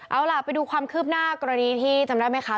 เอาล่ะไปดูความคืบหน้ากรณีที่จำได้ไหมคะ